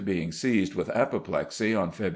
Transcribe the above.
being seized with apoplexy on Feb.